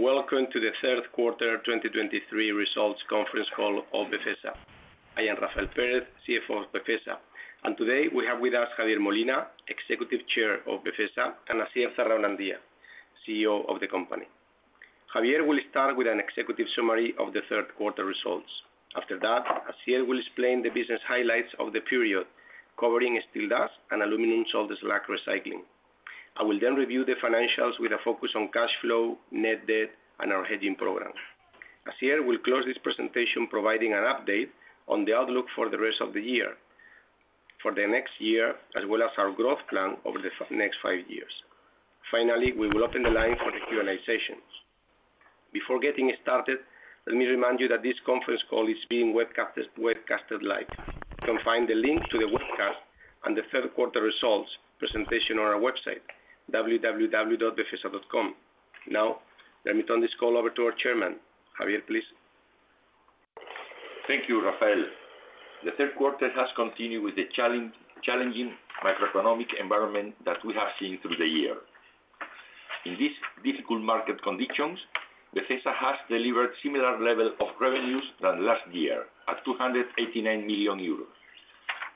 Welcome to the third quarter 2023 results conference call of Befesa. I am Rafael Pérez, CFO of Befesa, and today we have with us Javier Molina, Executive Chair of Befesa, and Asier Zarraonandia, CEO of the company. Javier will start with an executive summary of the third quarter results. After that, Asier will explain the business highlights of the period, covering Steel Dust and Aluminium Salt Slags Recycling. I will then review the financials with a focus on cash flow, net debt, and our hedging program. Asier will close this presentation, providing an update on the outlook for the rest of the year, for the next year, as well as our growth plan over the next five years. Finally, we will open the line for the Q&A sessions. Before getting started, let me remind you that this conference call is being webcast, webcasted live. You can find the link to the webcast and the third quarter results presentation on our website, www.befesa.com. Now, let me turn this call over to our chairman. Javier, please. Thank you, Rafael. The third quarter has continued with the challenging macroeconomic environment that we have seen through the year. In these difficult market conditions, Befesa has delivered similar level of revenues than last year, at 289 million euros,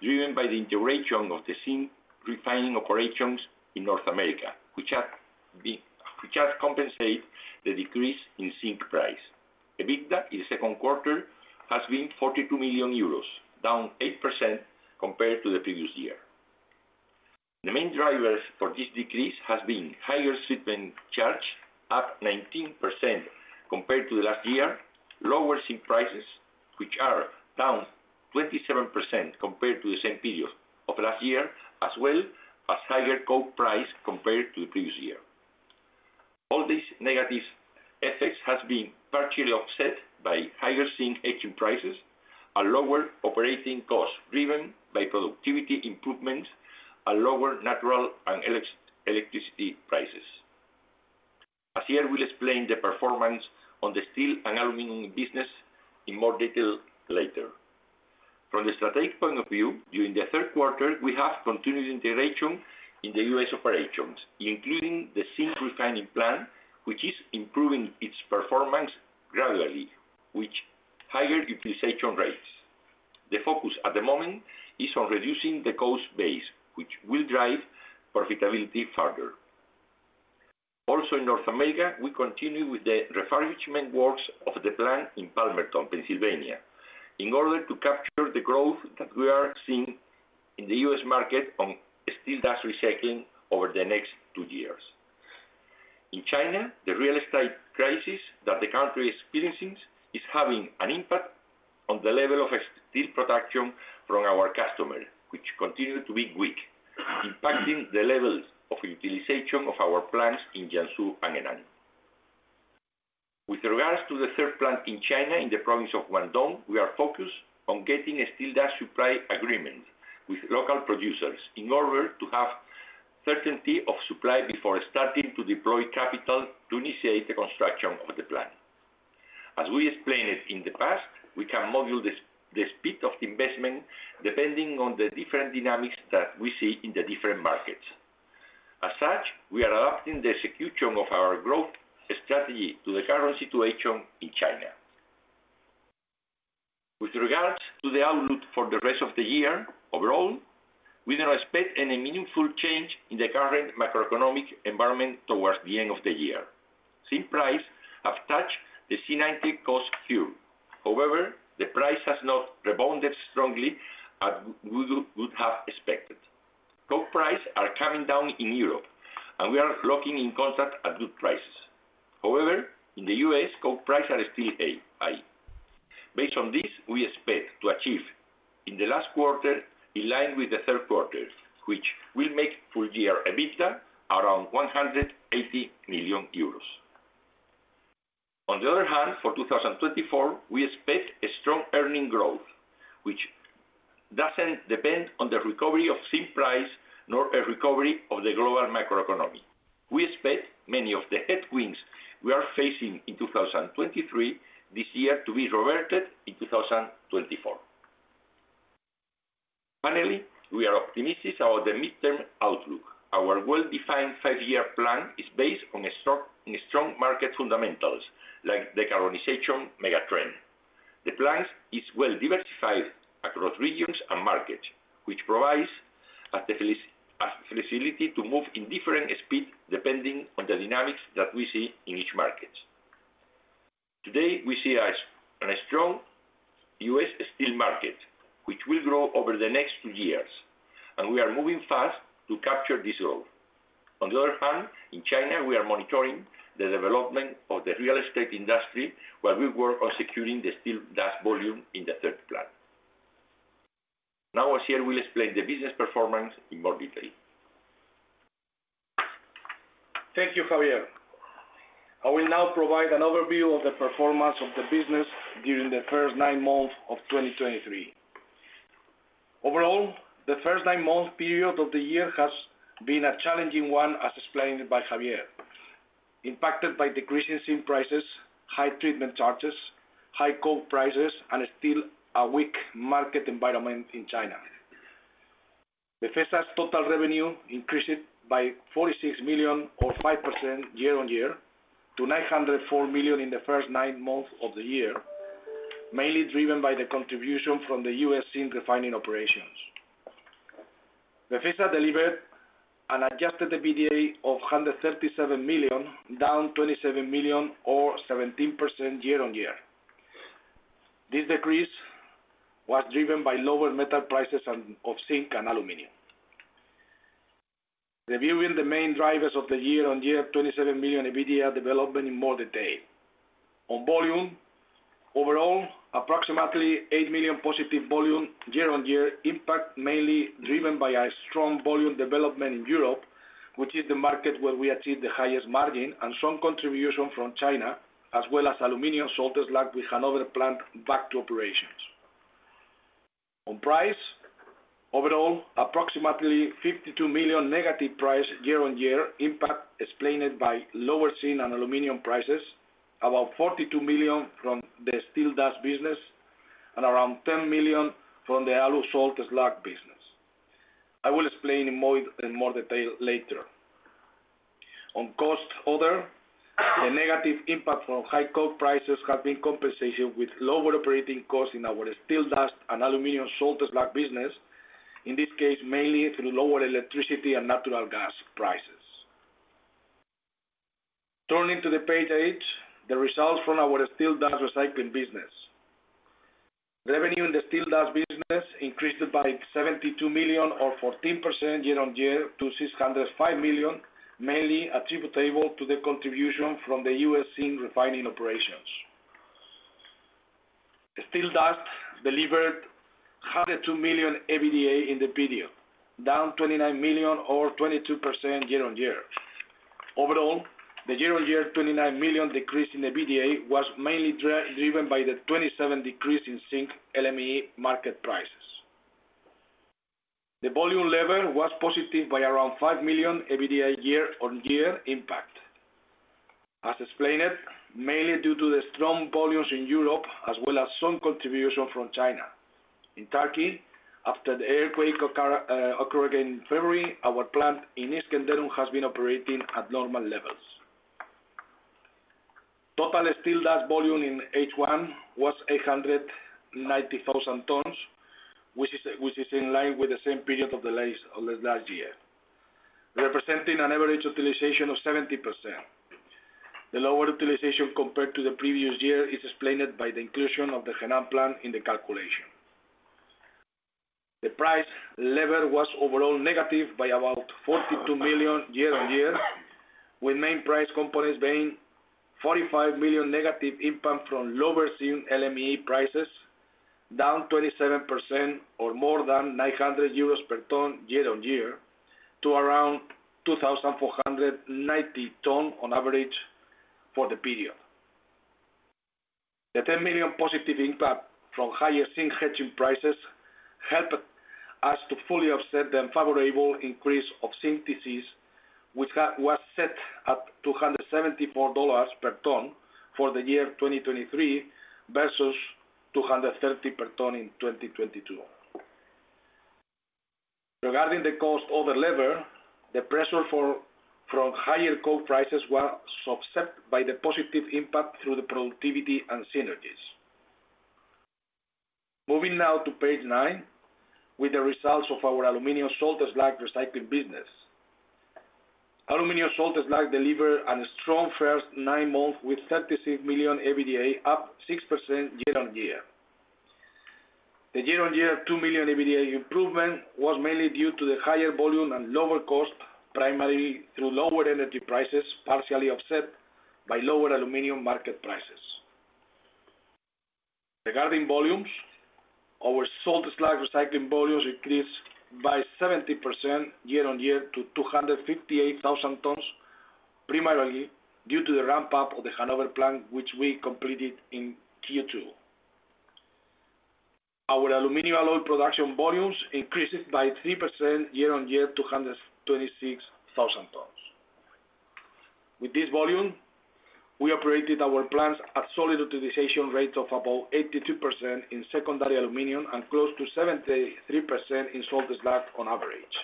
driven by the integration of the zinc refining operations in North America, which has compensated the decrease in zinc price. EBITDA in the second quarter has been 42 million euros, down 8% compared to the previous year. The main drivers for this decrease has been higher treatment charge, up 19% compared to last year, lower zinc prices, which are down 27% compared to the same period of last year, as well as higher coke price compared to the previous year. All these negative effects has been partially offset by higher zinc hedging prices, a lower operating cost driven by productivity improvement, and lower natural and electricity prices. Asier will explain the performance on the steel and aluminium business in more detail later. From the strategic point of view, during the third quarter, we have continued integration in the U.S. operations, including the zinc refining plant, which is improving its performance gradually, with higher utilization rates. The focus at the moment is on reducing the cost base, which will drive profitability further. Also, in North America, we continue with the refurbishment works of the plant in Palmerton, Pennsylvania, in order to capture the growth that we are seeing in the U.S. market on Steel Dust recycling over the next two years. In China, the real estate crisis that the country is experiencing is having an impact on the level of steel production from our customer, which continue to be weak, impacting the levels of utilization of our plants in Jiangsu and Henan. With regards to the third plant in China, in the province of Guangdong, we are focused on getting a Steel Dust supply agreement with local producers in order to have certainty of supply before starting to deploy capital to initiate the construction of the plant. As we explained it in the past, we can modulate the speed of investment depending on the different dynamics that we see in the different markets. As such, we are adapting the execution of our growth strategy to the current situation in China. With regards to the outlook for the rest of the year, overall, we don't expect any meaningful change in the current macroeconomic environment towards the end of the year. Zinc price have touched the C90 cost curve. However, the price has not rebounded strongly as we, we would have expected. Coke price are coming down in Europe, and we are locking in contract at good prices. However, in the US, coke prices are still high, high. Based on this, we expect to achieve in the last quarter, in line with the third quarter, which will make full year EBITDA around 180 million euros. On the other hand, for 2024, we expect a strong earning growth, which doesn't depend on the recovery of zinc price, nor a recovery of the global macroeconomy. We expect many of the headwinds we are facing in 2023, this year, to be reverted in 2024. Finally, we are optimistic about the midterm outlook. Our well-defined five-year plan is based on a strong, strong market fundamentals, like the carbonization mega trend. The plan is well diversified across regions and markets, which provides a facility to move in different speed, depending on the dynamics that we see in each market. Today, we see a, a strong US steel market, which will grow over the next 2 years, and we are moving fast to capture this growth. On the other hand, in China, we are monitoring the development of the real estate industry, while we work on securing the Steel Dust volume in the third plant. Now, Asier will explain the business performance in more detail. Thank you, Javier. I will now provide an overview of the performance of the business during the first nine months of 2023. Overall, the first nine month period of the year has been a challenging one, as explained by Javier, impacted by decreasing zinc prices, high treatment charges, high coke prices, and still a weak market environment in China.... Befesa's total revenue increased by 46 million or 5% year-on-year, to 904 million in the first nine months of the year, mainly driven by the contribution from the US zinc refining operations. Befesa delivered an adjusted EBITDA of 137 million, down 27 million or 17% year-on-year. This decrease was driven by lower metal prices of zinc and aluminium. Reviewing the main drivers of the year-on-year, 27 million EBITDA development in more detail. On volume, overall, approximately 8 million positive volume year-on-year impact, mainly driven by a strong volume development in Europe, which is the market where we achieve the highest margin and strong contribution from China, as well as Aluminium Salt Slags with another plant back to operations. On price, overall, approximately 52 million negative price year-on-year impact, explained by lower zinc and aluminium prices, about 42 million from the Steel Dust business and around 10 million from the Aluminium Salt Slags business. I will explain in more, in more detail later. On cost, other, the negative impact from high coal prices have been compensated with lower operating costs in our Steel Dust and Aluminium Salt Slags business. In this case, mainly through lower electricity and natural gas prices. Turning to page 8, the results from our Steel Dust recycling business. Revenue in the Steel Dust business increased by 72 million or 14% year-on-year to 605 million, mainly attributable to the contribution from the US zinc refining operations. The Steel Dust delivered 102 million EBITDA in the period, down 29 million or 22% year-on-year. Overall, the year-on-year 29 million decrease in EBITDA was mainly driven by the 27% decrease in Zinc LME market prices. The volume level was positive by around 5 million EBITDA year-on-year impact. As explained, mainly due to the strong volumes in Europe, as well as some contribution from China. In Turkey, after the earthquake occurred again in February, our plant in Iskenderun has been operating at normal levels. Total Steel Dust volume in H1 was 890,000 tons, which is in line with the same period of last year, representing an average utilization of 70%. The lower utilization compared to the previous year is explained by the inclusion of the Henan plant in the calculation. The price level was overall negative by about 42 million year-on-year, with main price components being 45 million negative impact from lower Zinc LME prices, down 27% or more than 900 euros per ton year-on-year, to around 2,490/ton on average for the period. The 10 million positive impact from higher zinc hedging prices helped us to fully offset the unfavorable increase of zinc TC's, which was set at $274 per ton for the year 2023, versus $230 per ton in 2022. Regarding the cost level, the pressure from higher coal prices were offset by the positive impact through the productivity and synergies. Moving now to page 9, with the results of our Aluminium Salt Slags Recycling business. Aluminium Salt Slags delivered a strong first nine months, with 36 million EBITDA, up 6% year-on-year. The year-on-year 2 million EBITDA improvement was mainly due to the higher volume and lower cost, primarily through lower energy prices, partially offset by lower aluminium market prices. Regarding volumes, our salt slag recycling volumes increased by 70% year-on-year to 258,000 tons, primarily due to the ramp up of the Hanover plant, which we completed in Q2. Our aluminium alloy production volumes increased by 3% year-on-year to 126,000 tons. With this volume, we operated our plants at solid utilization rate of about 82% in secondary aluminium and close to 73% in salt slag on average.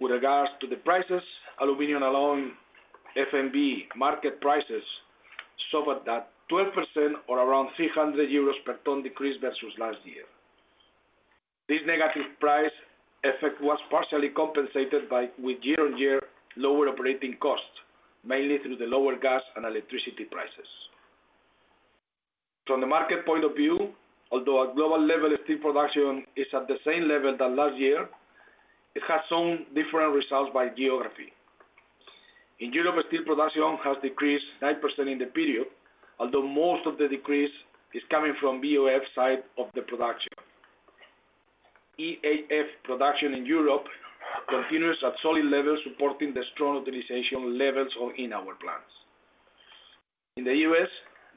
With regards to the prices, aluminium alloy, FMB market prices showed that 12% or around 300 euros per ton decreased versus last year. This negative price effect was partially compensated by, with year-on-year lower operating costs, mainly through the lower gas and electricity prices. From the market point of view, although our global level of steel production is at the same level than last year, it has some different results by geography. In Europe, steel production has decreased 9% in the period, although most of the decrease is coming from BOF side of the production. EAF production in Europe continues at solid levels, supporting the strong authorization levels on in our plants. In the U.S.,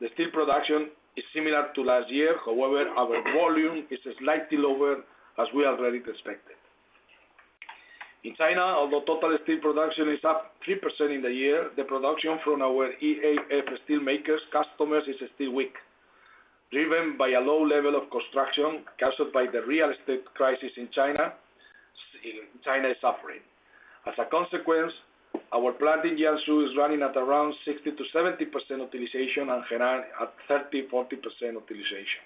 the steel production is similar to last year. However, our volume is slightly lower as we already expected.... In China, although total steel production is up 3% in the year, the production from our EAF steel makers customers is still weak, driven by a low level of construction caused by the real estate crisis in China. China is suffering. As a consequence, our plant in Jiangsu is running at around 60%-70% utilization, and Henan at 30%-40% utilization.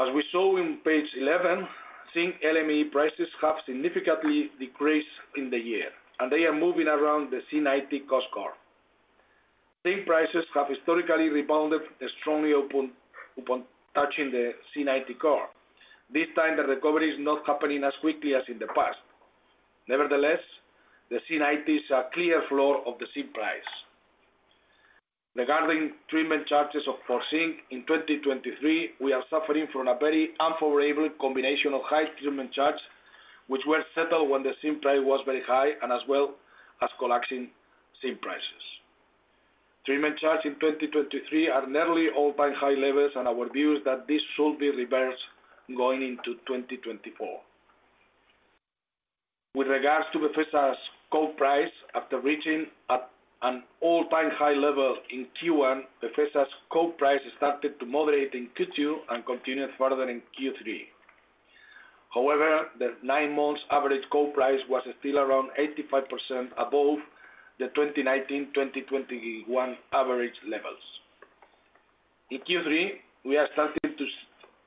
As we saw in page 11, Zinc LME prices have significantly decreased in the year, and they are moving around the C90 cost curve. Zinc prices have historically rebounded strongly upon touching the C90 curve. This time, the recovery is not happening as quickly as in the past. Nevertheless, the C90 is a clear floor of the zinc price. Regarding treatment charges for zinc in 2023, we are suffering from a very unfavorable combination of high treatment charge, which were settled when the zinc price was very high, and as well as collapsing zinc prices. Treatment charge in 2023 are nearly all by high levels, and our view is that this should be reversed going into 2024. With regards to Befesa's coal price, after reaching at an all-time high level in Q1, Befesa's coal price started to moderate in Q2 and continued further in Q3. However, the nine months average coal price was still around 85% above the 2019-2021 average levels. In Q3, we are starting to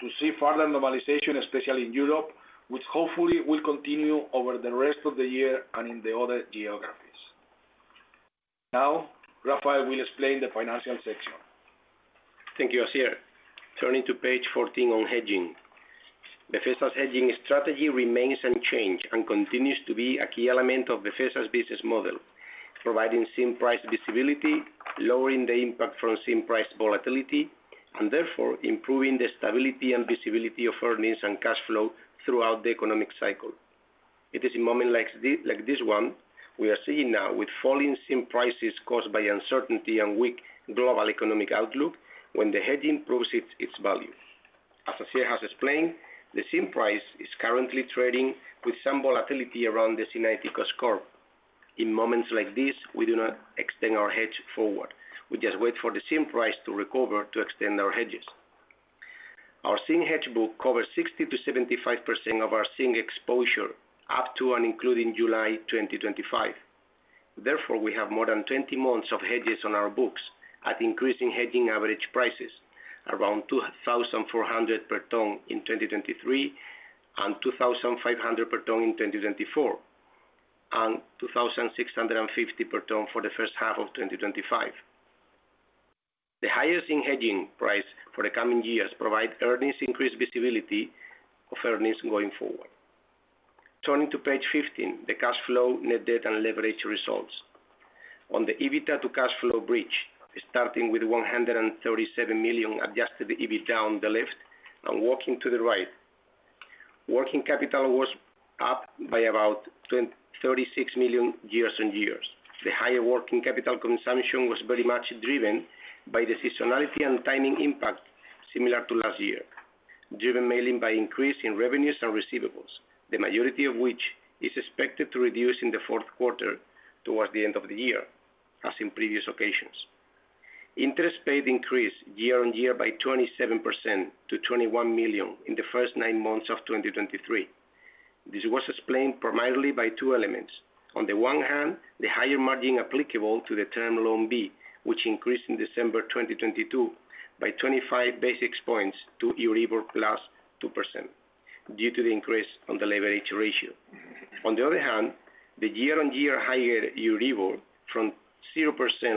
to see further normalization, especially in Europe, which hopefully will continue over the rest of the year and in the other geographies. Now, Rafael will explain the financial section. Thank you, Asier. Turning to page 14 on hedging. Befesa's hedging strategy remains unchanged and continues to be a key element of Befesa's business model, providing zinc price visibility, lowering the impact from zinc price volatility, and therefore improving the stability and visibility of earnings and cash flow throughout the economic cycle. It is in moments like this one, we are seeing now with falling zinc prices caused by uncertainty and weak global economic outlook, when the hedging proves its value. As Asier has explained, the zinc price is currently trading with some volatility around the C90 cost curve. In moments like this, we do not extend our hedge forward. We just wait for the zinc price to recover to extend our hedges. Our zinc hedge book covers 60%-75% of our zinc exposure up to and including July 2025. Therefore, we have more than 20 months of hedges on our books at increasing hedging average prices, around $2,400 per tonne in 2023, and $2,500 per tonne in 2024, and $2,650 per tonne for the first half of 2025. The higher zinc hedging price for the coming years provide earnings increased visibility of earnings going forward. Turning to page 15, the cash flow, net debt, and leverage results. On the EBITDA to cash flow bridge, starting with 137 million adjusted EBITDA on the left and working to the right. Working capital was up by about 36 million year-over-year. The higher working capital consumption was very much driven by the seasonality and timing impact, similar to last year, driven mainly by increase in revenues and receivables, the majority of which is expected to reduce in the fourth quarter towards the end of the year, as in previous occasions. Interest paid increased year-on-year by 27% to 21 million in the first nine months of 2023. This was explained primarily by two elements. On the one hand, the higher margin applicable to the Term Loan B, which increased in December 2022, by 25 basis points to Euribor plus 2%, due to the increase on the leverage ratio. On the other hand, the year-on-year higher Euribor from 0%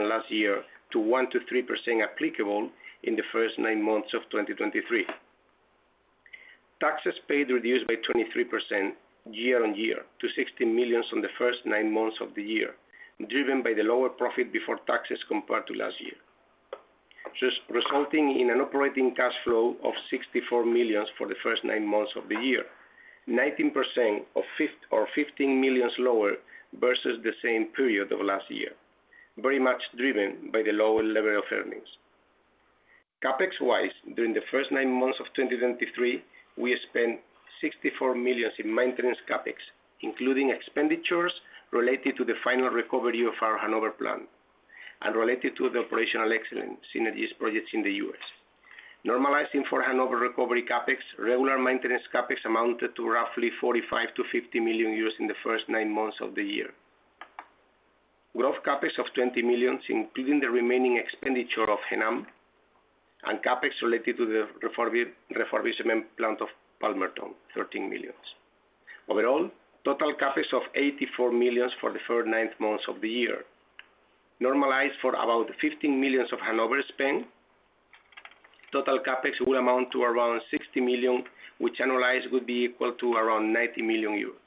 last year to 1%-3% applicable in the first nine months of 2023. Taxes paid reduced by 23% year-on-year, to 16 million in the first nine months of the year, driven by the lower profit before taxes compared to last year. Just resulting in an operating cash flow of 64 million for the first nine months of the year. 19% or 15 million lower versus the same period of last year, very much driven by the lower level of earnings. CapEx-wise, during the first nine months of 2023, we spent 64 million in maintenance CapEx, including expenditures related to the final recovery of our Hanover plant and related to the operational excellence synergies projects in the US. Normalizing for Hanover recovery CapEx, regular maintenance CapEx amounted to roughly 45-50 million euros in the first nine months of the year. Growth CapEx of 20 million, including the remaining expenditure of Henan, and CapEx related to the refurbishment plant of Palmerton, 13 million. Overall, total CapEx of 84 million for the first nine months of the year. Normalized for about 15 million of Hanover spend, total CapEx will amount to around 60 million, which annualized would be equal to around 90 million euros.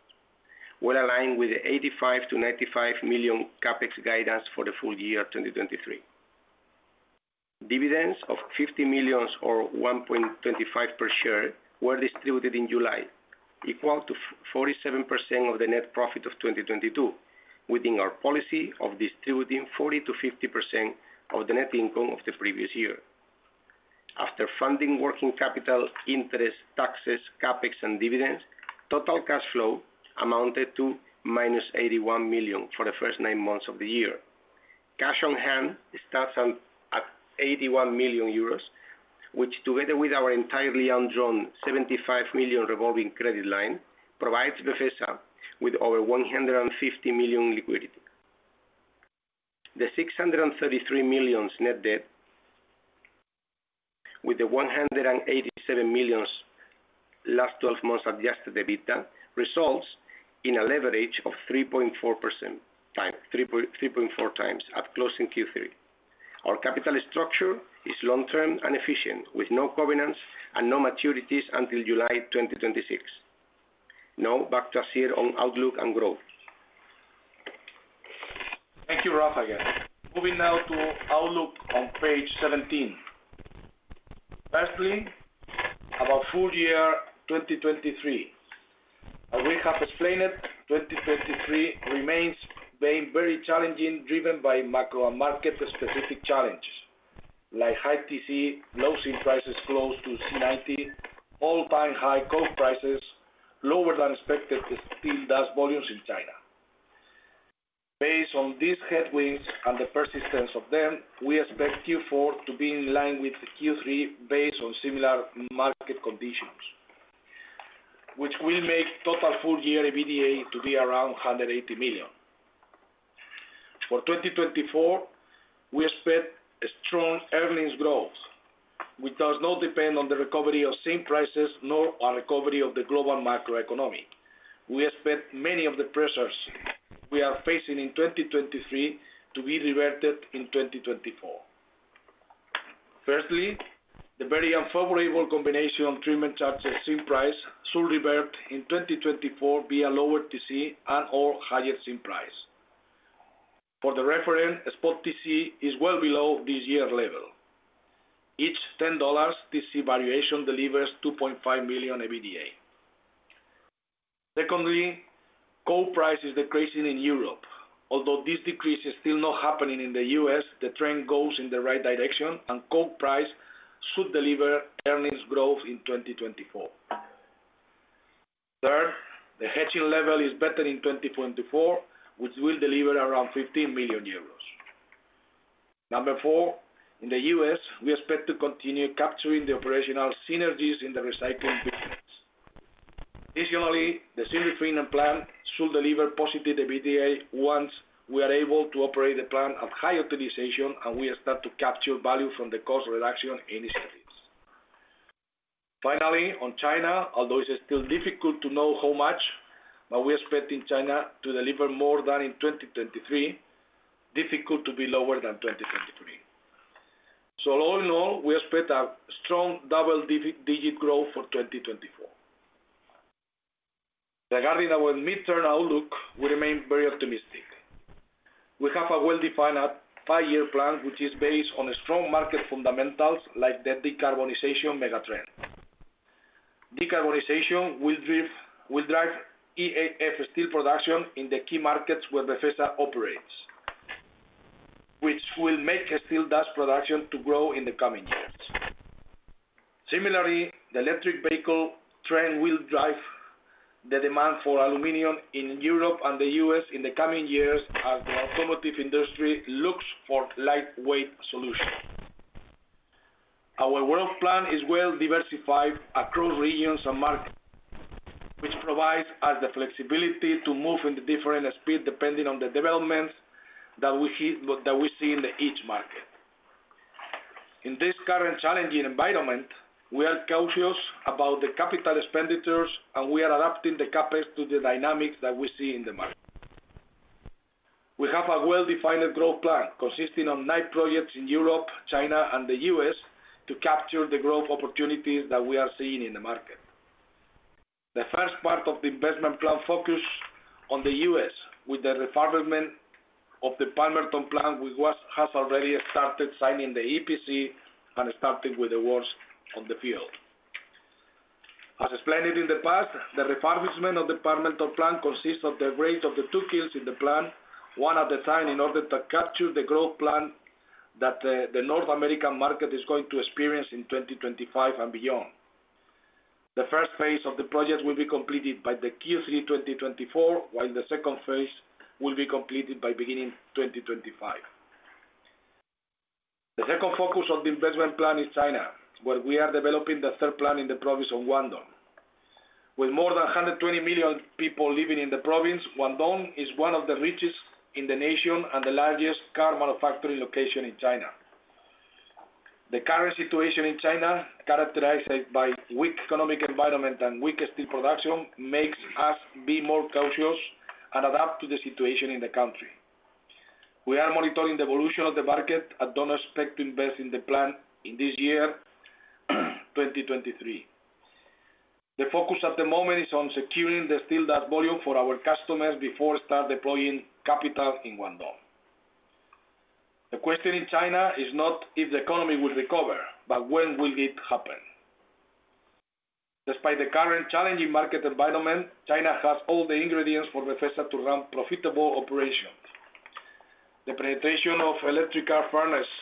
Well aligned with the 85 million-95 million CapEx guidance for the full year 2023. Dividends of 50 million or 1.25 per share were distributed in July, equal to 47% of the net profit of 2022, within our policy of distributing 40%-50% of the net income of the previous year. After funding working capital, interest, taxes, CapEx, and dividends, total cash flow amounted to -81 million for the first nine months of the year. Cash on hand stands at 81 million euros, which together with our entirely undrawn 75 million revolving credit line, provides Befesa with over 150 million liquidity. The 633 million net debt, with the 187 million last twelve months adjusted EBITDA, results in a leverage of 3.4 times at closing Q3. Our capital structure is long-term and efficient, with no covenants and no maturities until July 2026. Now, back to Asier on outlook and growth. Thank you, Rafael. Moving now to outlook on page 17. Firstly, about full year 2023. As we have explained it, 2023 remains being very challenging, driven by macro and market-specific challenges, like high TC, low zinc prices close to C90, all-time high coal prices, lower than expected Steel Dust volumes in China. Based on these headwinds and the persistence of them, we expect Q4 to be in line with Q3, based on similar market conditions, which will make total full year EBITDA to be around 180 million. For 2024, we expect a strong earnings growth, which does not depend on the recovery of zinc prices, nor on recovery of the global macroeconomic. We expect many of the pressures we are facing in 2023 to be reverted in 2024. Firstly, the very unfavorable combination of treatment charges zinc price should revert in 2024 via lower TC and/or higher zinc price. For the reference, spot TC is well below this year level. Each $10 TC valuation delivers 2.5 million EBITDA. Secondly, coal price is decreasing in Europe, although this decrease is still not happening in the U.S., the trend goes in the right direction, and coal price should deliver earnings growth in 2024. Third, the hedging level is better in 2024, which will deliver around 15 million euros. Number four, in the U.S., we expect to continue capturing the operational synergies in the recycling business. Additionally, the Zinc refining plant should deliver positive EBITDA once we are able to operate the plant at high optimization, and we start to capture value from the cost reduction initiatives. Finally, on China, although it's still difficult to know how much, but we expect in China to deliver more than in 2023, difficult to be lower than 2023. So all in all, we expect a strong double-digit growth for 2024. Regarding our midterm outlook, we remain very optimistic. We have a well-defined, five-year plan, which is based on a strong market fundamentals, like the decarbonization mega trend. Decarbonization will drive, will drive EAF steel production in the key markets where Befesa operates, which will make a Steel Dust production to grow in the coming years. Similarly, the electric vehicle trend will drive the demand for aluminium in Europe and the US in the coming years, as the automotive industry looks for lightweight solutions. Our world plan is well diversified across regions and markets, which provides us the flexibility to move in the different speed, depending on the developments that we see in each market. In this current challenging environment, we are cautious about the capital expenditures, and we are adapting the CapEx to the dynamics that we see in the market. We have a well-defined growth plan, consisting of nine projects in Europe, China, and the U.S., to capture the growth opportunities that we are seeing in the market. The first part of the investment plan focus on the U.S., with the refurbishment of the Palmerton plant, which has already started signing the EPC and starting with the works on the field. As explained in the past, the refurbishment of the Palmerton plant consists of the retrofit of the two kilns in the plant, one at a time, in order to capture the growth plan that the North American market is going to experience in 2025 and beyond. The first phase of the project will be completed by Q3 2024, while the second phase will be completed by beginning 2025. The second focus of the investment plan is China, where we are developing the third plant in the province of Guangdong. With more than 120 million people living in the province, Guangdong is one of the richest in the nation and the largest car manufacturing location in China. The current situation in China, characterized by weak economic environment and weak steel production, makes us be more cautious and adapt to the situation in the country. We are monitoring the evolution of the market and don't expect to invest in the plant in this year, 2023. The focus at the moment is on securing the Steel Dust volume for our customers before we start deploying capital in Guangdong. The question in China is not if the economy will recover, but when will it happen? Despite the current challenging market environment, China has all the ingredients for Befesa to run profitable operations. The penetration of electric arc furnace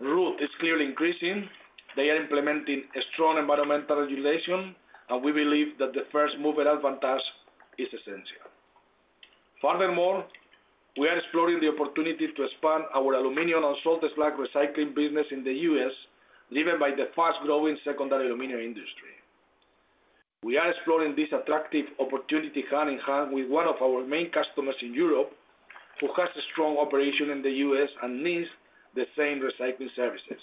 route is clearly increasing. They are implementing a strong environmental regulation, and we believe that the first mover advantage is essential. Furthermore, we are exploring the opportunity to expand our Aluminium Salt Slags Recycling business in the U.S., driven by the fast-growing secondary aluminium industry. We are exploring this attractive opportunity hand-in-hand with one of our main customers in Europe, who has a strong operation in the U.S. and needs the same recycling services.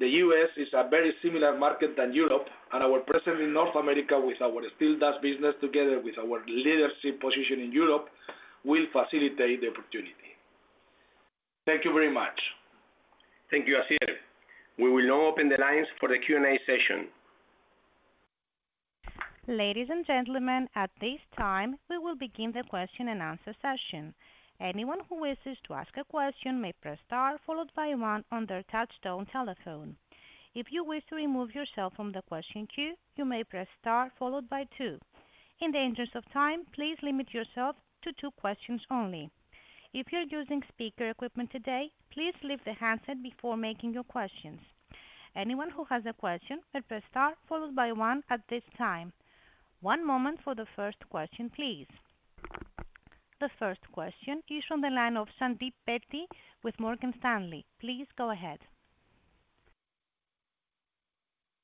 The U.S. is a very similar market than Europe, and our presence in North America with our Steel Dust business, together with our leadership position in Europe, will facilitate the opportunity. Thank you very much. Thank you, Asier. We will now open the lines for the Q&A session. Ladies and gentlemen, at this time, we will begin the question and answer session. Anyone who wishes to ask a question may press star followed by one on their touchtone telephone. If you wish to remove yourself from the question queue, you may press star followed by two. In the interest of time, please limit yourself to two questions only. If you're using speaker equipment today, please leave the handset before making your questions. Anyone who has a question, press star followed by one at this time. One moment for the first question, please. The first question is from the line of Sandeep Deshpande with Morgan Stanley. Please go ahead.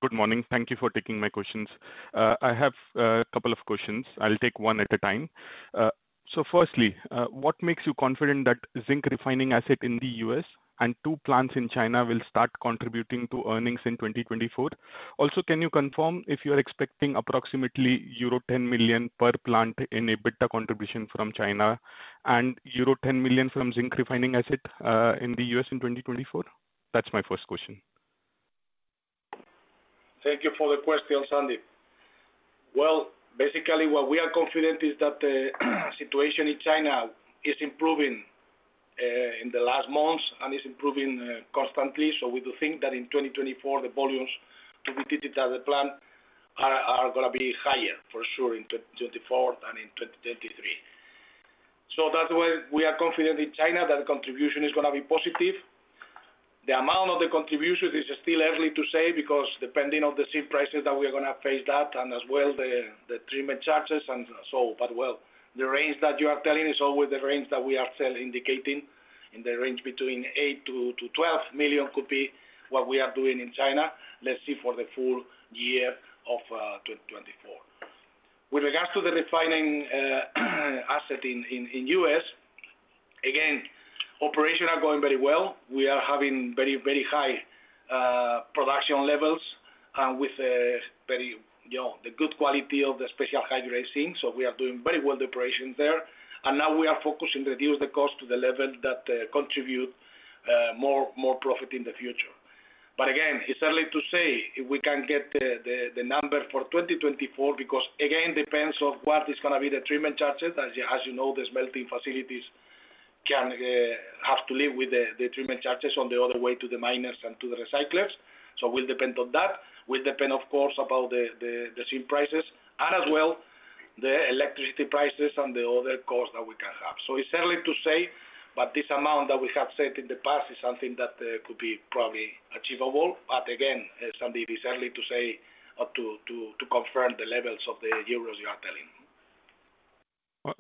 Good morning. Thank you for taking my questions. I have a couple of questions. I'll take one at a time. So firstly, what makes you confident that zinc refining asset in the US and two plants in China will start contributing to earnings in 2024? Also, can you confirm if you are expecting approximately euro 10 million per plant in EBITDA contribution from China and euro 10 million from zinc refining asset in the US in 2024? That's my first question. Thank you for the question, Sandeep. Well, basically, what we are confident is that the situation in China is improving in the last months and is improving constantly. So we do think that in 2024, the volumes to be treated at the plant are gonna be higher for sure in 2024 than in 2023. So that's why we are confident in China that the contribution is gonna be positive. The amount of the contribution is still early to say, because depending on the zinc prices that we're gonna face that, and as well, the treatment charges and so. But, well, the range that you are telling is always the range that we are still indicating, in the range between 8 million-12 million could be what we are doing in China. Let's see for the full year of 2024. With regards to the refining asset in the U.S., again, operations are going very well. We are having very, very high production levels and with a very, you know, the good quality of the Special High Grade Zinc. So we are doing very well the operations there, and now we are focusing to reduce the cost to the level that contribute more profit in the future. But again, it's early to say if we can get the number for 2024, because, again, depends on what is gonna be the treatment charges. As you know, the smelting facilities can have to live with the treatment charges on the other way to the miners and to the recyclers. So will depend on that. will depend, of course, about the zinc prices and as well the electricity prices and the other costs that we can have. So it's early to say, but this amount that we have set in the past is something that could be probably achievable. But again, Sandeep, it's early to say to confirm the levels of the euros you are telling.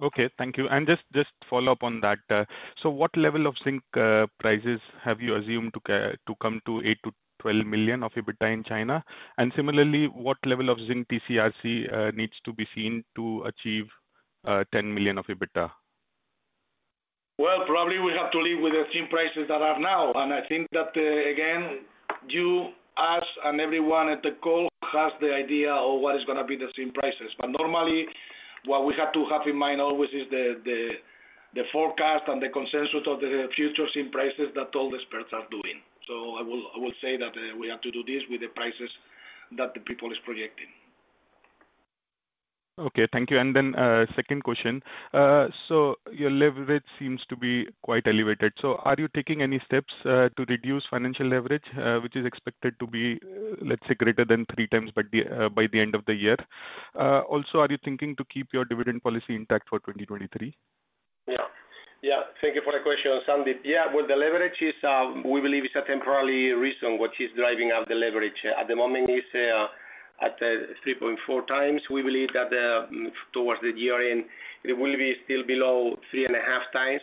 Okay, thank you. And just follow up on that. So what level of zinc prices have you assumed to come to 8 million-12 million of EBITDA in China? And similarly, what level of zinc TCRC needs to be seen to achieve 10 million of EBITDA? Well, probably we have to live with the same prices that are now, and I think that, again, you, us, and everyone at the call has the idea of what is gonna be the same prices. But normally, what we have to have in mind always is the forecast and the consensus of the future zinc prices that all the experts are doing. So I will say that, we have to do this with the prices that the people is projecting. Okay, thank you. And then, second question. So your leverage seems to be quite elevated. So are you taking any steps to reduce financial leverage, which is expected to be, let's say, greater than three times by the end of the year? Also, are you thinking to keep your dividend policy intact for 2023? Yeah. Yeah, thank you for the question, Sandeep. Yeah, well, the leverage is, we believe it's a temporarily reason what is driving up the leverage. At the moment, it's at 3.4 times. We believe that, towards the year-end, it will be still below 3.5 times,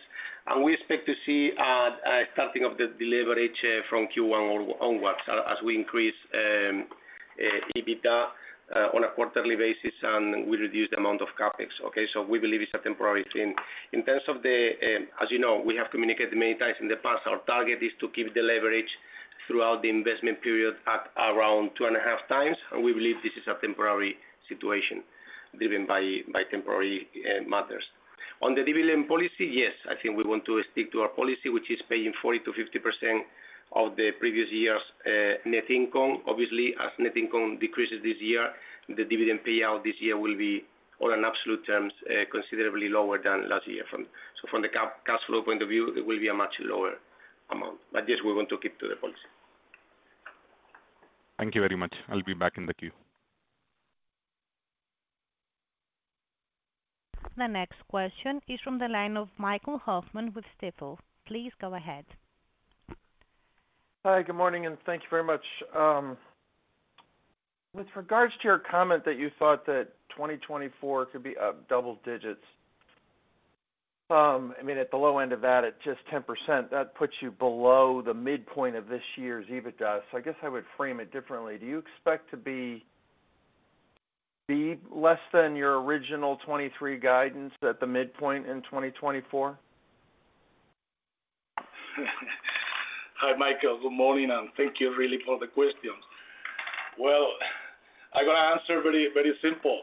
and we expect to see a starting of the deleverage from Q1 onwards as we increase EBITDA on a quarterly basis, and we reduce the amount of CapEx, okay? So we believe it's a temporary thing. In terms of the... As you know, we have communicated many times in the past, our target is to keep the leverage throughout the investment period at around 2.5 times, and we believe this is a temporary situation, driven by, by temporary matters. On the dividend policy, yes, I think we want to stick to our policy, which is paying 40%-50% of the previous year's net income. Obviously, as net income decreases this year, the dividend payout this year will be, on an absolute terms, considerably lower than last year. So from the cash flow point of view, it will be a much lower... but this we want to keep to the policy. Thank you very much. I'll be back in the queue. The next question is from the line of Michael Hoffman with Stifel. Please go ahead. Hi, good morning, and thank you very much. With regards to your comment that you thought that 2024 could be double digits, I mean, at the low end of that, at just 10%, that puts you below the midpoint of this year's EBITDA. So I guess I would frame it differently. Do you expect to be less than your original 2023 guidance at the midpoint in 2024? Hi, Michael. Good morning, and thank you really for the question. Well, I'm gonna answer very, very simple.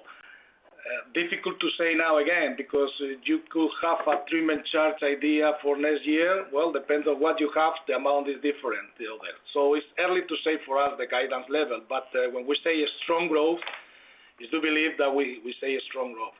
Difficult to say now again, because you could have a treatment charge idea for next year. Well, depends on what you have, the amount is different there. So it's early to say for us the guidance level, but, when we say a strong growth, is to believe that we, we say a strong growth.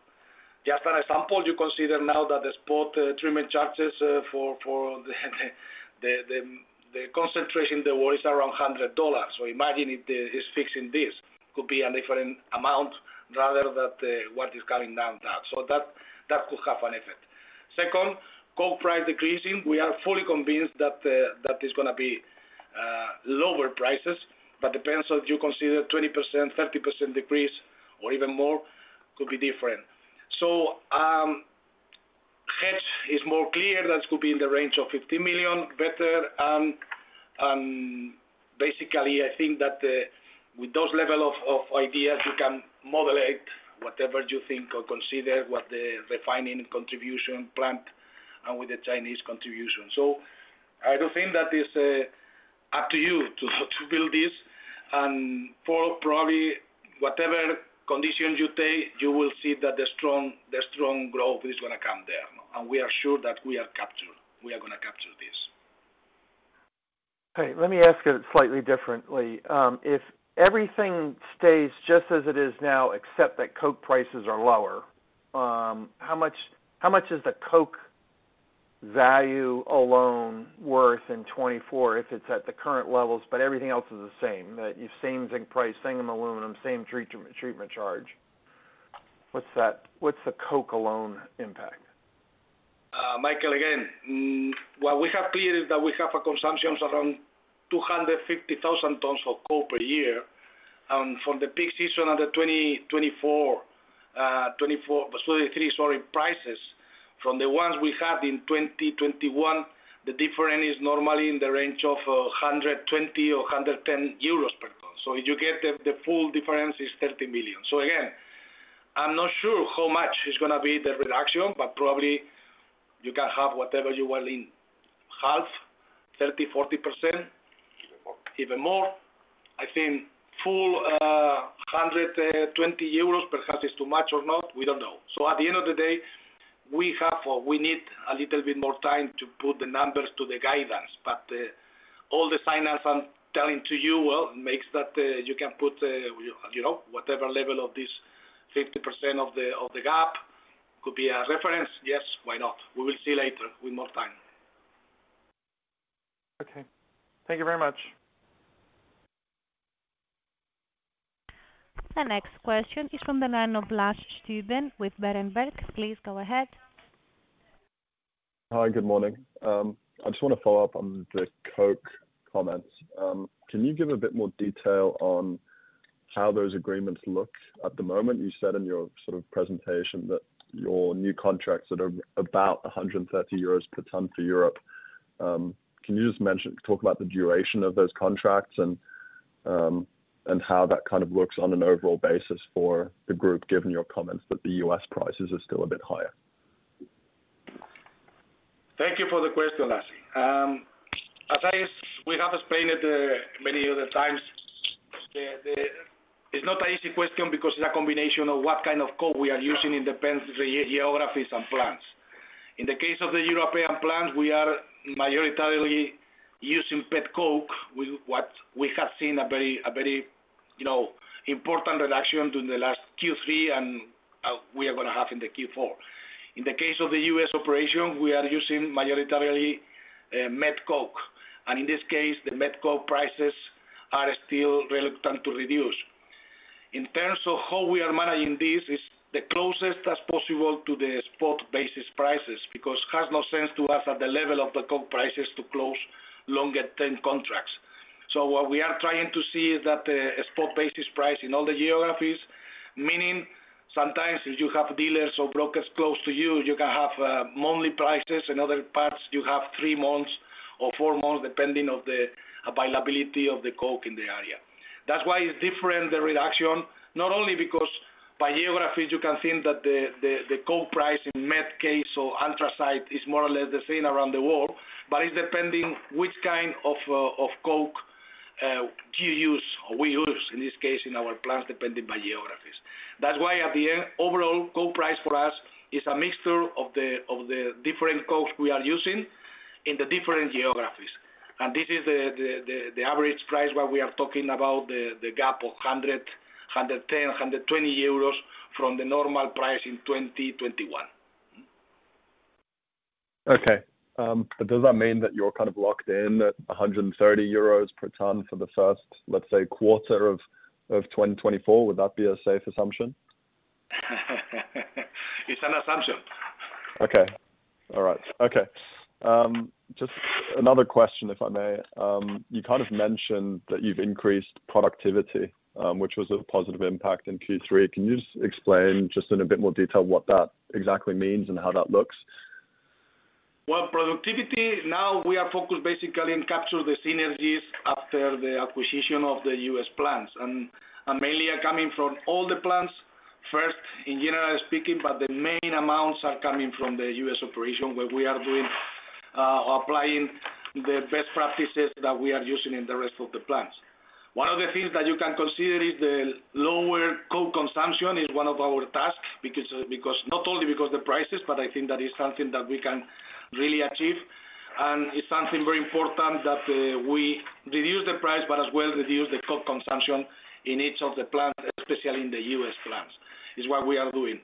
Just an example, you consider now that the spot treatment charges, for the concentration, the world is around $100. So imagine if the-- is fixing this, could be a different amount rather than the, what is coming down that. So that, that could have an effect. Second, coke price decreasing. We are fully convinced that that is gonna be lower prices, but depends on you consider 20%, 30% decrease or even more, could be different. So, hedge is more clear, that could be in the range of 50 million, better, and basically, I think that with those level of ideas, you can modulate whatever you think or consider what the refining contribution plant and with the Chinese contribution. So I do think that is up to you to build this. And for probably whatever conditions you take, you will see that the strong growth is gonna come there, and we are sure that we are captured, we are gonna capture this. Okay, let me ask it slightly differently. If everything stays just as it is now, except that coke prices are lower, how much, how much is the coke value alone worth in 2024, if it's at the current levels, but everything else is the same? That same zinc price, same aluminium, same treatment charge. What's that? What's the coke alone impact? Michael, again, well, we have clarified that we have consumption around 250,000 tons of coke per year. And from the peak season of the 2023, sorry, prices from the ones we had in 2021, the difference is normally in the range of 120 or 110 euros per ton. So you get the, the full difference is 30 million. So again, I'm not sure how much is gonna be the reduction, but probably you can have whatever you want in half, 30%-40%. Even more. Even more. I think full 120 euros perhaps is too much or not, we don't know. So at the end of the day, we have or we need a little bit more time to put the numbers to the guidance, but all the signals I'm telling to you, well, makes that you can put, you know, whatever level of this 50% of the, of the gap could be a reference. Yes, why not? We will see later with more time. Okay. Thank you very much. The next question is from the line of Lasse Stüben with Berenberg. Please go ahead. Hi, good morning. I just want to follow up on the coke comments. Can you give a bit more detail on how those agreements look? At the moment, you said in your sort of presentation that your new contracts that are about 130 euros per ton for Europe. Can you just talk about the duration of those contracts and how that kind of looks on an overall basis for the group, given your comments that the US prices are still a bit higher? Thank you for the question, Lasse. As I, we have explained it many other times, it's not an easy question because it's a combination of what kind of coke we are using, it depends the geographies and plants. In the case of the European plants, we are majoritarily using pet coke, with what we have seen a very, you know, important reduction during the last Q3, and we are gonna have in the Q4. In the case of the U.S. operation, we are using majoritarily met coke, and in this case, the met coke prices are still reluctant to reduce. In terms of how we are managing this, is the closest as possible to the spot basis prices, because it has no sense to us at the level of the coke prices to close longer-term contracts. So what we are trying to see is that, a spot basis price in all the geographies, meaning sometimes you have dealers or brokers close to you, you can have monthly prices. In other parts, you have three months or four months, depending on the availability of the coke in the area. That's why it's different, the reduction, not only because by geographies, you can think that the coke price in met coke or anthracite is more or less the same around the world, but it's depending which kind of coke do you use or we use, in this case, in our plants, depending by geographies. That's why at the end, overall, coke price for us is a mixture of the different cokes we are using in the different geographies. This is the average price where we are talking about, the gap of 110-120 euros from the normal price in 2021. Okay. But does that mean that you're kind of locked in at 130 euros per ton for the first, let's say, quarter of 2024? Would that be a safe assumption? It's an assumption. Okay. All right. Okay, just another question, if I may. You kind of mentioned that you've increased productivity, which was a positive impact in Q3. Can you just explain just in a bit more detail what that exactly means and how that looks? Well, productivity, now we are focused basically in capture the synergies after the acquisition of the U.S. plants. And mainly are coming from all the plants, first, in general speaking, but the main amounts are coming from the U.S. operation, where we are doing, applying the best practices that we are using in the rest of the plants. One of the things that you can consider is the lower coke consumption is one of our tasks, because not only because the prices, but I think that is something that we can really achieve. And it's something very important that, we reduce the price, but as well, reduce the coke consumption in each of the plants, especially in the U.S. plants, is what we are doing.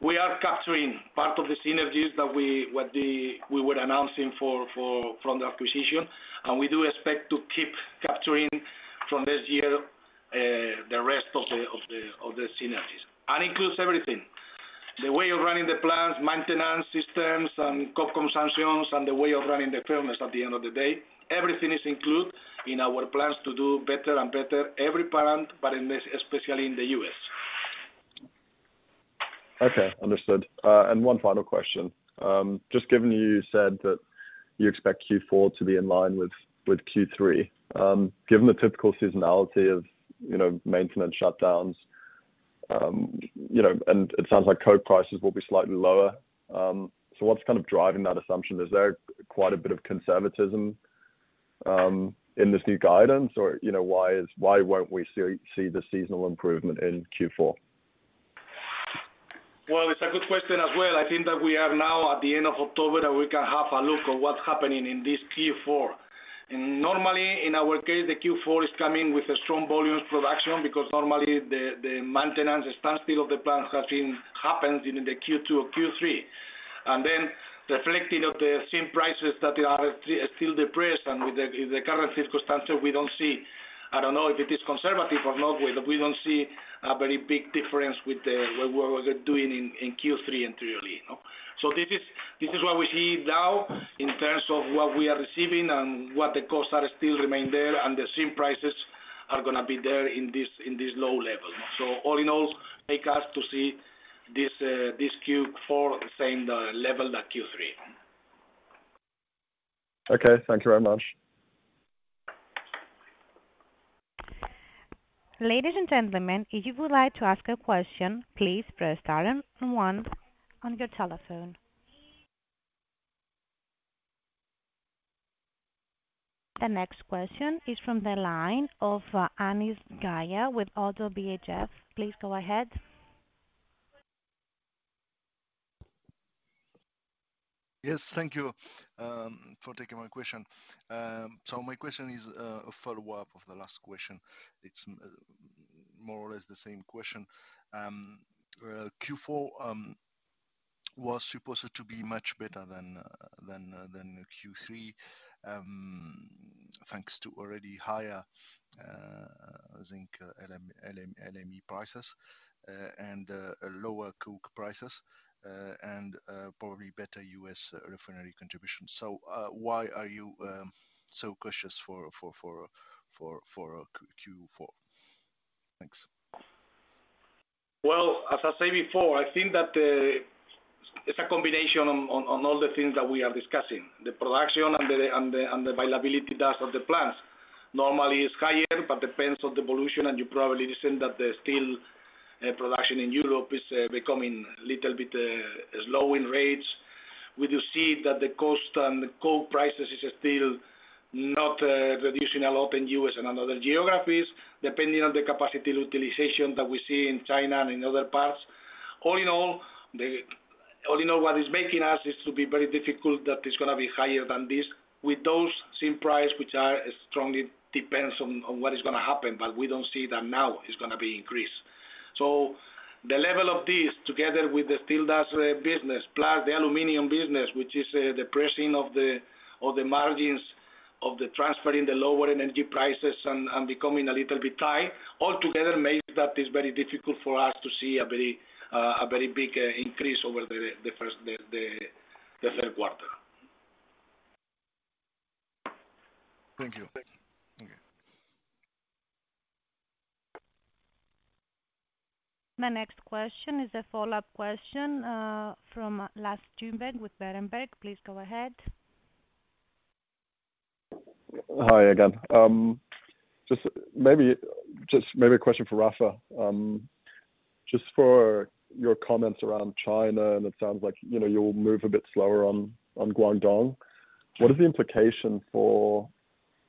We are capturing part of the synergies that we-- what the... We were announcing from the acquisition, and we do expect to keep capturing from this year the rest of the synergies. Includes everything. The way of running the plants, maintenance, systems, and coke consumptions, and the way of running the furnace at the end of the day. Everything is included in our plans to do better and better every plant, but in this, especially in the US. Okay, understood. And one final question. Just given you said that you expect Q4 to be in line with Q3, given the typical seasonality of, you know, maintenance shutdowns, you know, and it sounds like coke prices will be slightly lower, so what's kind of driving that assumption? Is there quite a bit of conservatism in this new guidance? Or, you know, why won't we see the seasonal improvement in Q4? Well, it's a good question as well. I think that we are now at the end of October, that we can have a look on what's happening in this Q4. And normally, in our case, the Q4 is coming with a strong volumes production, because normally the maintenance, the standstill of the plants has been happened in the Q2 or Q3. And then, reflecting of the same prices that are still depressed and with the current physical stance, we don't see... I don't know if it is conservative or not, but we don't see a very big difference with the what we're doing in Q3 entirely, no. So this is, this is what we see now in terms of what we are receiving and what the costs are still remain there, and the same prices are gonna be there in this, in this low level. So all in all, make us to see this Q4 the same level that Q3. Okay, thank you very much. Ladies and gentlemen, if you would like to ask a question, please press star and one on your telephone. The next question is from the line of Anis Zgaya with Oddo BHF. Please go ahead. Yes, thank you for taking my question. So my question is a follow-up of the last question. It's more or less the same question. Q4 was supposed to be much better than Q3, thanks to already higher Zinc LME prices and lower coke prices and probably better US refinery contribution. So why are you so cautious for Q4? Thanks. Well, as I said before, I think that it's a combination on all the things that we are discussing. The production and the availability thus of the plants. Normally, it's higher, but depends on the pollution, and you probably heard that the steel production in Europe is becoming a little bit slow in rates. We do see that the cost and the coke prices is still not reducing a lot in US and other geographies, depending on the capacity utilization that we see in China and in other parts. All in all, what is making us is to be very difficult, that is gonna be higher than this. With those same price, which are strongly depends on what is gonna happen, but we don't see that now is gonna be increased. So the level of this, together with the Steel Dust business, plus the aluminium business, which is depressing the margins of the transfer in the lower energy prices and becoming a little bit tight, all together makes it very difficult for us to see a very big increase over the first three quarters. Thank you. Thank you. The next question is a follow-up question, from Lasse Stüben with Berenberg. Please go ahead. Hi again. Just maybe a question for Rafa. Just for your comments around China, and it sounds like, you know, you'll move a bit slower on Guangdong. What is the implication for,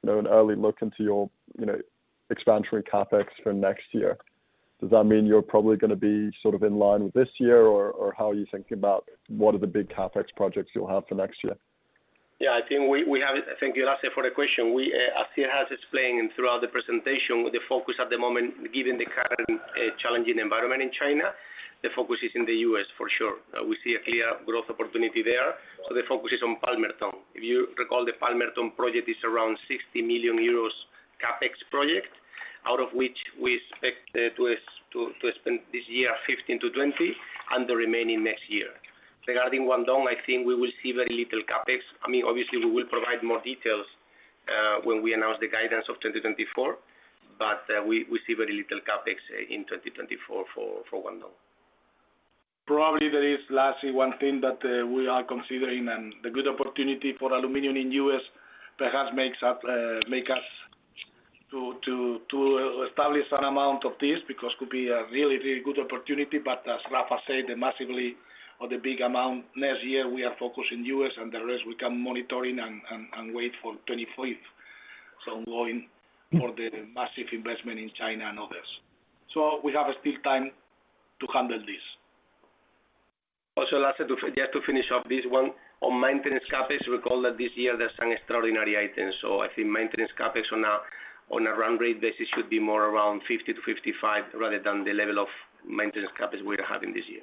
you know, an early look into your, you know, expansion in CapEx for next year? Does that mean you're probably gonna be sort of in line with this year, or how are you thinking about what are the big CapEx projects you'll have for next year?... Yeah, I think we, we have it. Thank you, Lasse, for the question. We, as he has explained and throughout the presentation, the focus at the moment, given the current, challenging environment in China, the focus is in the US for sure. We see a clear growth opportunity there, so the focus is on Palmerton. If you recall, the Palmerton project is around 60 million euros CapEx project, out of which we expect to spend this year, 15 million-20 million, and the remaining next year. Regarding Guangdong, I think we will see very little CapEx. I mean, obviously, we will provide more details when we announce the guidance of 2024, but we see very little CapEx in 2024 for Guangdong. Probably there is lastly one thing that we are considering, and the good opportunity for aluminium in US perhaps makes up make us to establish an amount of this, because could be a really, really good opportunity. But as Rafa said, the massively or the big amount, next year, we are focused in US and the rest we can monitoring and wait for 2025. So going for the massive investment in China and others. So we have a still time to handle this. Also, Lasse, just to finish up this one. On maintenance CapEx, recall that this year there's an extraordinary item. So I think maintenance CapEx on a run rate basis should be more around 50-55, rather than the level of maintenance CapEx we're having this year.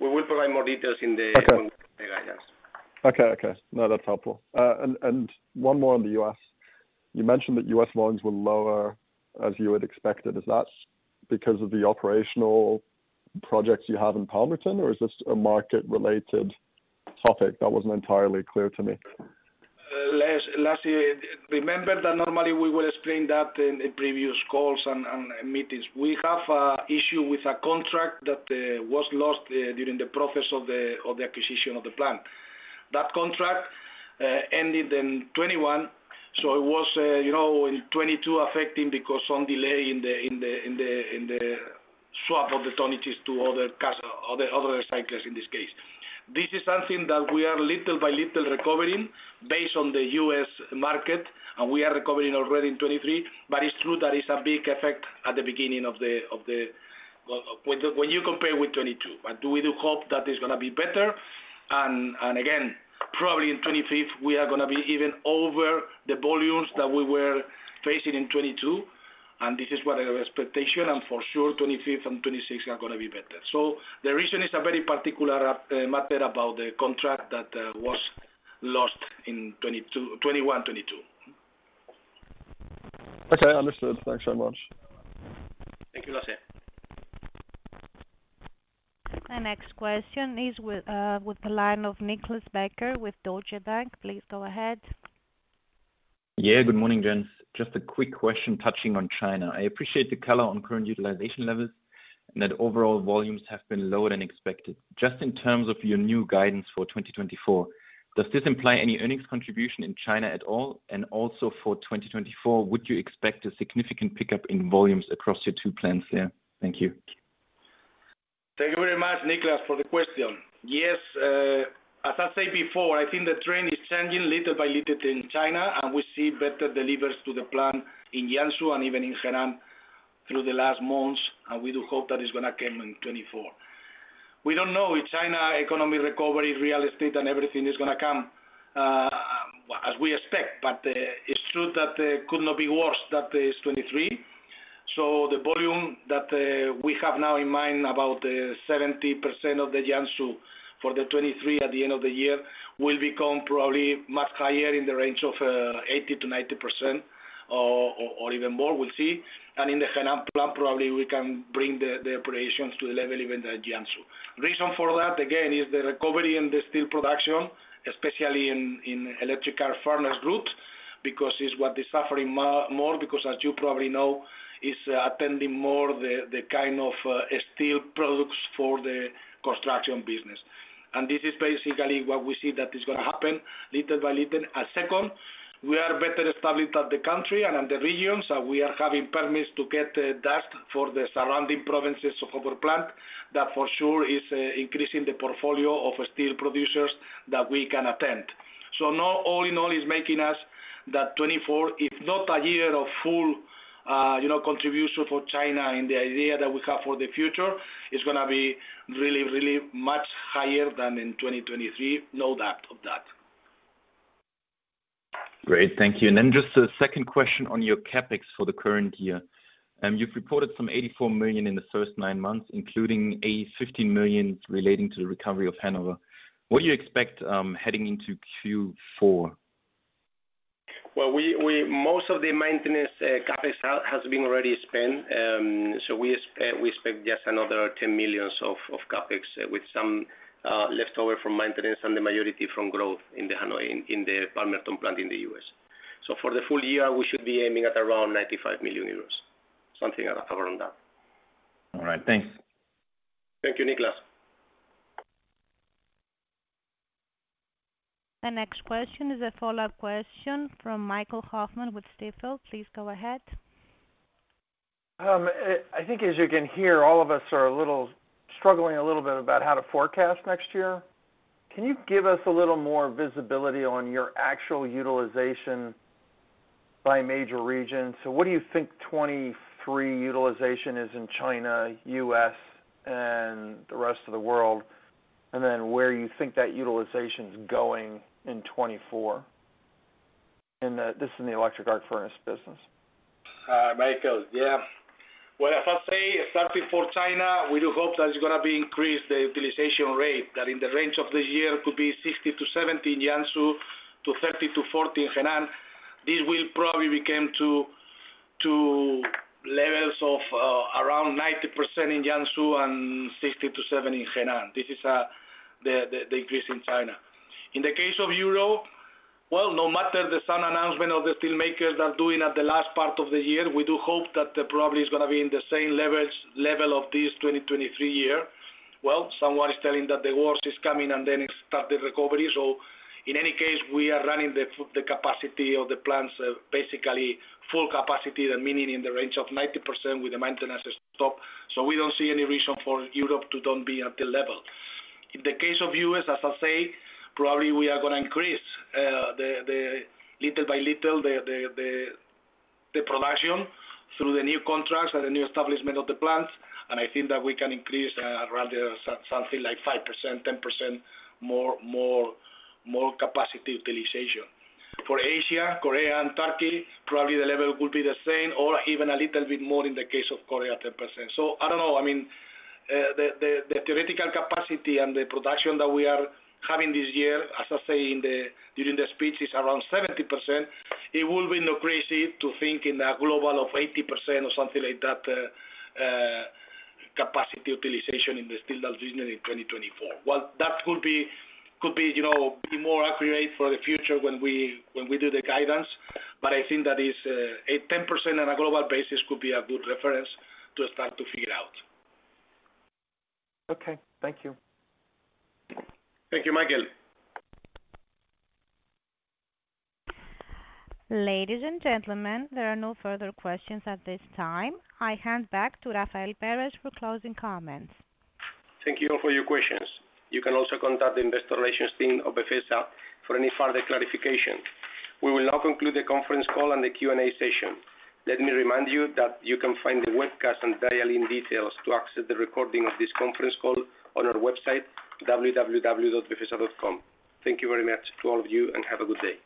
We will provide more details in the- Okay. -guidance. Okay, okay. No, that's helpful. And one more on the US. You mentioned that US loans were lower, as you had expected. Is that because of the operational projects you have in Palmerton, or is this a market-related topic? That wasn't entirely clear to me. Lasse, remember that normally we will explain that in previous calls and meetings. We have a issue with a contract that was lost during the process of the acquisition of the plant. That contract ended in 2021, so it was, you know, in 2022 affecting because some delay in the swap of the tonnages to other recyclers in this case. This is something that we are little by little recovering based on the U.S. market, and we are recovering already in 2023. But it's true, that is a big effect at the beginning of the... When you compare with 2022. But we do hope that it's gonna be better. Again, probably in 2025, we are gonna be even over the volumes that we were facing in 2022, and this is what our expectation, and for sure, 2025 and 2026 are gonna be better. So the reason is a very particular matter about the contract that was lost in 2022-2021, 2022. Okay, understood. Thanks so much. Thank you, Lasse. Our next question is with, with the line of Niklas Becker with Deutsche Bank. Please go ahead. Yeah, good morning, gents. Just a quick question touching on China. I appreciate the color on current utilization levels, and that overall volumes have been lower than expected. Just in terms of your new guidance for 2024, does this imply any earnings contribution in China at all? And also for 2024, would you expect a significant pickup in volumes across your two plants there? Thank you. Thank you very much, Niklas, for the question. Yes, as I said before, I think the trend is changing little by little in China, and we see better deliveries to the plant in Jiangsu and even in Henan through the last months, and we do hope that is gonna come in 2024. We don't know if China economy recovery, real estate, and everything is gonna come as we expect, but it's true that could not be worse than this 2023. So the volume that we have now in mind, about 70% of the Jiangsu for the 2023 at the end of the year, will become probably much higher in the range of 80%-90% or even more. We'll see. In the Henan plant, probably we can bring the operations to the level even than Jiangsu. Reason for that, again, is the recovery in the steel production, especially in electrical furnace route, because it's what is suffering more because as you probably know, is attending more the kind of steel products for the construction business. And this is basically what we see that is gonna happen little by little. And second, we are better established at the country and in the regions, and we are having permits to get that for the surrounding provinces of our plant. That for sure is increasing the portfolio of steel producers that we can attend. So now all in all, is making us that 2024, if not a year of full, you know, contribution for China in the idea that we have for the future, is gonna be really, really much higher than in 2023. No doubt of that. Great, thank you. Then just a second question on your CapEx for the current year. You've reported some 84 million in the first nine months, including a 15 million relating to the recovery of Hanover. What do you expect heading into Q4? Well, most of the maintenance CapEx has been already spent. So we expect just another 10 million of CapEx, with some leftover from maintenance and the majority from growth in the Hanover, in the Palmerton plant in the US. So for the full year, we should be aiming at around 95 million euros, something around that. All right. Thanks. Thank you, Niklas. The next question is a follow-up question from Michael Hoffman with Stifel. Please go ahead. I think as you can hear, all of us are a little struggling a little bit about how to forecast next year. Can you give us a little more visibility on your actual utilization?... By major regions. So what do you think 2023 utilization is in China, US, and the rest of the world? And then where you think that utilization is going in 2024? And, this is in the electric arc furnace business. Michael, yeah. Well, if I say, starting for China, we do hope that it's gonna be increased, the utilization rate, that in the range of this year, could be 60%-70% in Jiangsu to 30%-40% in Henan. This will probably become to levels of around 90% in Jiangsu and 60%-70% in Henan. This is the increase in China. In the case of Europe, well, no matter the some announcement of the steelmakers are doing at the last part of the year, we do hope that probably is gonna be in the same level of this 2023 year. Well, someone is telling that the worst is coming, and then it start the recovery. So in any case, we are running the capacity of the plants basically full capacity, and meaning in the range of 90% with the maintenance stop. So we don't see any reason for Europe to don't be at the level. In the case of U.S., as I say, probably we are gonna increase little by little the production through the new contracts and the new establishment of the plants, and I think that we can increase around something like 5%, 10%, more, more, more capacity utilization. For Asia, Korea, and Turkey, probably the level will be the same or even a little bit more in the case of Korea, 10%. So I don't know. I mean, the theoretical capacity and the production that we are having this year, as I say, during the speech, is around 70%. It will be not crazy to think in a global of 80% or something like that, capacity utilization in the steel long region in 2024. Well, that could be, you know, be more accurate for the future when we do the guidance, but I think that is, a 10% on a global basis could be a good reference to start to figure it out. Okay, thank you. Thank you, Michael. Ladies and gentlemen, there are no further questions at this time. I hand back to Rafael Pérez for closing comments. Thank you all for your questions. You can also contact the investor relations team of Befesa for any further clarification. We will now conclude the conference call and the Q&A session. Let me remind you that you can find the webcast and dial-in details to access the recording of this conference call on our website, www.befesa.com. Thank you very much to all of you, and have a good day.